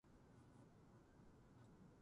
コーヒーにはカフェインが含まれています。